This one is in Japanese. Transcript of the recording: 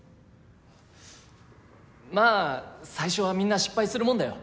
まあ最初はみんな失敗するもんだよ。